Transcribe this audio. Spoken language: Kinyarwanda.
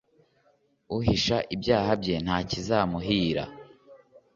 uhisha ibyaha bye, ntakizamuhira